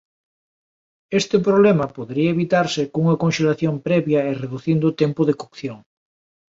Este problema podería evitarse cunha conxelación previa e reducindo o tempo de cocción.